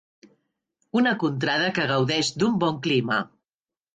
Una contrada que gaudeix d'un bon clima.